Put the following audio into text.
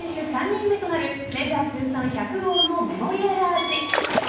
３人目となるメジャー通算１００号のメモリアルアーチ。